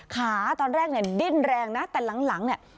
ขาตอนแรกเนี่ยดิ้นแรงนะแต่หลังเนี่ย